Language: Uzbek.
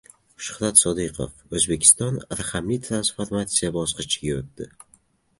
Shuhrat Sodiqov: «O‘zbekiston raqamli transformatsiya bosqichiga o‘tdi»